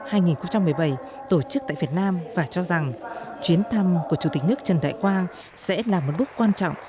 năm hai nghìn một mươi bảy tổ chức tại việt nam và cho rằng chuyến thăm của chủ tịch nước trần đại quang sẽ là một bước quan trọng